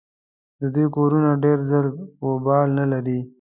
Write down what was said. د دوی کورونه ډېر ځل و بل نه لري.